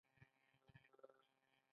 کاناډا په نړۍ کې یوازې نه ده.